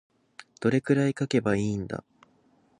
どれくらい書けばいいんだ。